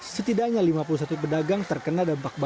setidaknya lima puluh satu pedagang terkena dampak banjir